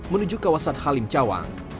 menuju kawasan halim cawang